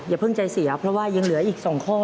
เพิ่งใจเสียเพราะว่ายังเหลืออีก๒ข้อ